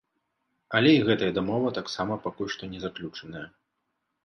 Але і гэтая дамова таксама пакуль што не заключаная.